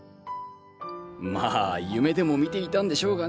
まあ夢でも見ていたんでしょうがね。